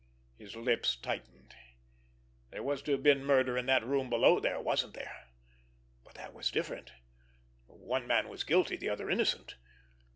His lips tightened. There was to have been murder in that room below there—wasn't there? But that was different—one man was guilty, the other innocent.